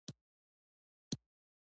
د نیپال پاچا ته هیات ولېږو.